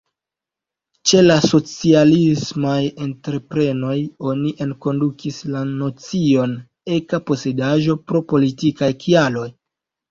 Ĉe la socialismaj entreprenoj oni enkondukis la nocion „eka posedaĵo” pro politikaj kialoj.